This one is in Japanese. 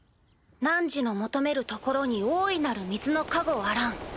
汝の求める所に大いなる水の加護あらん。